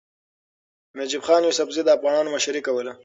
نجیب خان یوسفزي د افغانانو مشري کوله.